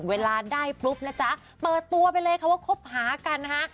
เวลาได้ปุ๊บนะจ๊ะเปิดตัวไปเลยค่ะว่าคบหากันนะคะ